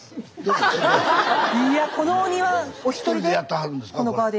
一人でやってはるんですか？